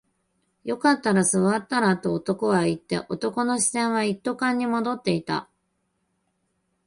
よかったら座ったらと男は言って、男の視線は一斗缶に戻っていた